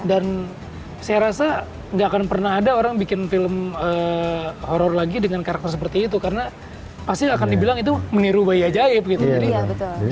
dan saya rasa gak akan pernah ada orang bikin film horror lagi dengan karakter seperti itu karena pasti akan dibilang itu meniru bayi ajaib gitu